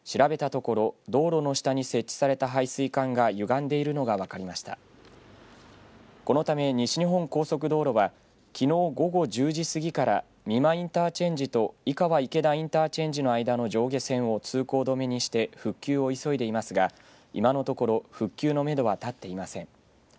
このため、西日本高速道路はきのう午後１０時過ぎから美馬インターチェンジと井川池田インターチェンジの間の上下線を通行止めにして復旧を急いでいますが今のところ復旧のめどは立っていません。